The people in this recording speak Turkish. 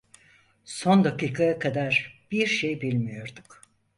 Son dakikaya kadar bir şey bilmiyorduk.